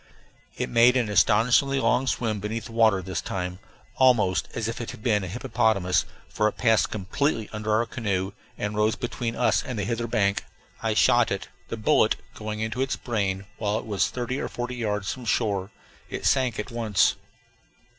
It made an astonishingly long swim beneath the water this time, almost as if it had been a hippopotamus, for it passed completely under our canoe and rose between us and the hither bank. I shot it, the bullet going into its brain, while it was thirty or forty yards from shore. It sank at once.